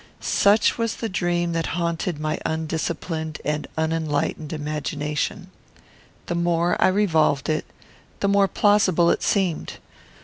Such was the dream that haunted my undisciplined and unenlightened imagination. The more I revolved it, the more plausible it seemed.